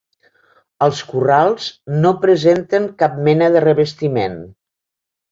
Els corrals no presenten cap mena de revestiment.